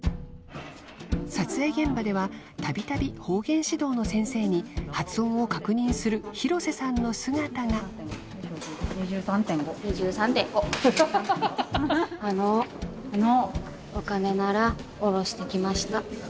撮影現場ではたびたび方言指導の先生に発音を確認する広瀬さんの姿が２３．５あのおろしてきました